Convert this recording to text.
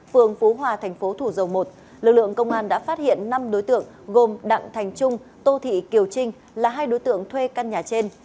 phường phú hòa thành phố thủ dầu một lực lượng công an đã phát hiện năm đối tượng gồm đặng thành trung tô thị kiều trinh là hai đối tượng thuê căn nhà trên